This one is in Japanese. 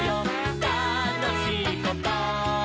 「たのしいこと？」